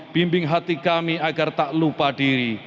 bimbing hati kami agar tak lupa diri